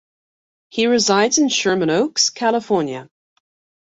He resides in Sherman Oaks, California.